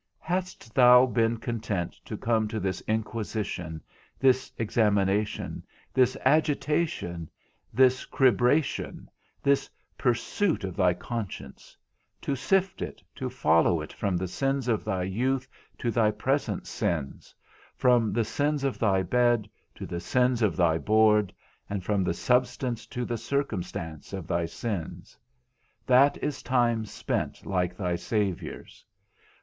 Hast thou been content to come to this inquisition, this examination, this agitation, this cribration, this pursuit of thy conscience; to sift it, to follow it from the sins of thy youth to thy present sins, from the sins of thy bed to the sins of thy board, and from the substance to the circumstance of thy sins? That is time spent like thy Saviour's.